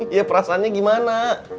iya perasanya gimana